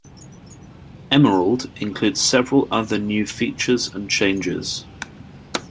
"Emerald" includes several other new features and changes.